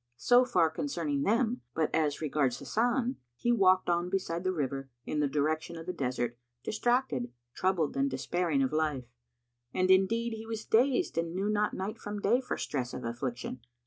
So far concerning them; but as regards Hasan, he walked on beside the river, in the direction of the desert, distracted, troubled, and despairing of life; and indeed he was dazed and knew not night from day for stress of affliction.